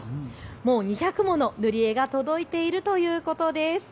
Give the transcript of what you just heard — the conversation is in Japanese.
もう２００もの塗り絵が届いているということです。